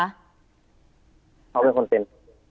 เขาเป็นคนเป็น